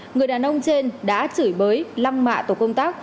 người đàn ông trên đã chửi bới lăng mạ tổ công tác